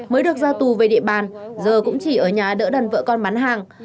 mới được ra tù về địa bàn giờ cũng chỉ ở nhà đỡ đàn vợ con bán hàng